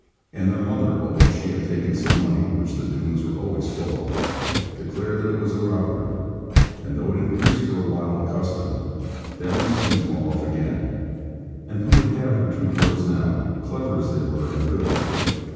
And their mother (although she had taken some money, which the Doones were always full of) declared that it was a robbery; and though it increased for a while the custom, that must soon fall off again. And who would have her two girls now, clever as they were and good?